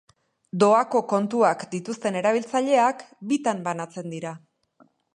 Doako kontuak dituzten erabiltzaileak bitan banatzen dira.